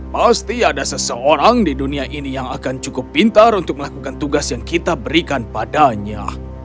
pasti ada seseorang di dunia ini yang akan cukup pintar untuk melakukan tugas yang kita berikan padanya